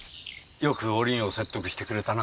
よくおりんを説得してくれたな。